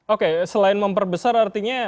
oke selain memperbesar artinya